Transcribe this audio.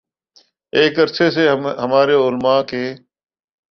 ایک عرصے سے ہمارے علما کے